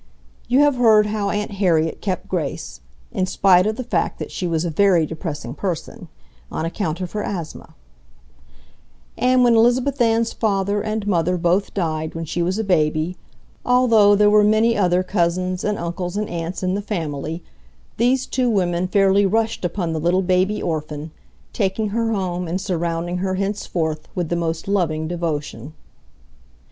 You have heard how Aunt Harriet kept Grace (in spite of the fact that she was a very depressing person) on account of her asthma; and when Elizabeth Ann's father and mother both died when she was a baby, although there were many other cousins and uncles and aunts in the family, these two women fairly rushed upon the little baby orphan, taking her home and surrounding her henceforth with the most loving devotion.